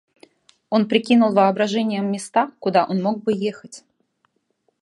Он прикинул воображением места, куда он мог бы ехать.